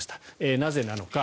なぜなのか。